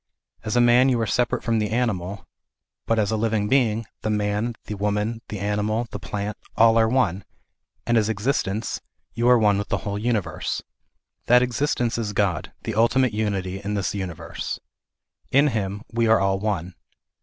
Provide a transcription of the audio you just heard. As a man you ar& separate from the animal, but as a living being, the man, the woman, the animal, the plant, are all one, and as existence, you are one with the whole universe. That existence is God, the ultimate Unity in this universe. In Him we are all one.